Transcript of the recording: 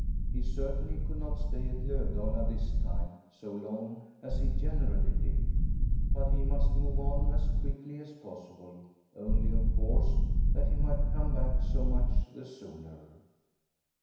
He certainly could not stay at Lovdala this time so long as he generally did, but he must move on as quickly as possible, only, of course, that he might come back so much the sooner.